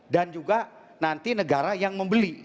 dan juga nanti negara yang membeli